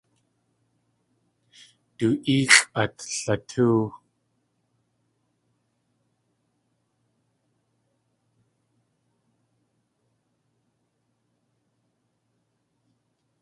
Du éexʼ at latóow!